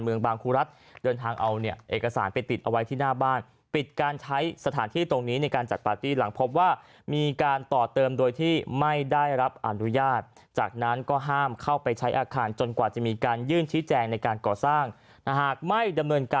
แยกมาจากตัวบ้านเอาไว้จัดปาร์ตี้โดยเฉพาะเลย